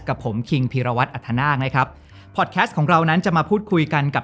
กับผมคิงพีรวัตรอัธนาคนะครับพอดแคสต์ของเรานั้นจะมาพูดคุยกันกับ